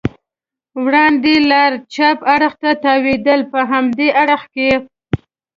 وړاندې لار چپ اړخ ته تاوېدل، په همدې اړخ کې.